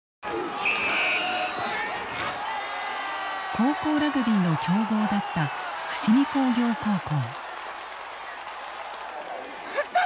高校ラグビーの強豪だった伏見工業高校。